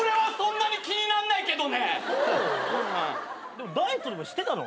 でもダイエットでもしてたの？